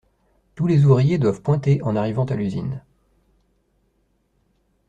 Tous les ouvriers doivent pointer en arrivant à l'usine.